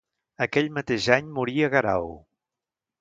Aquell mateix any moria Guerau.